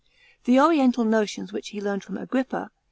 The oriental notions which he learned from Agrippa, an.